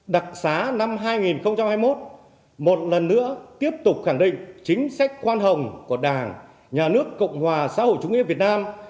đặc sá năm hai nghìn hai mươi một một lần nữa tiếp tục khẳng định chính sách khoan hồng của đảng nhà nước cộng hòa xã hội chủ nghĩa việt nam